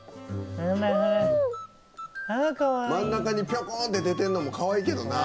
真ん中にピョコンって出てるのもかわいいけどな。